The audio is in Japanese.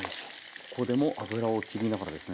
ここでも脂をきりながらですね。